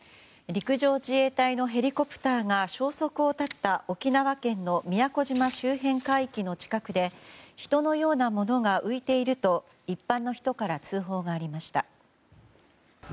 陸上自衛隊のヘリコプターが消息を絶った沖縄県の宮古島周辺海域の近くで人のようなものが浮いていると一般の人から通報がありました。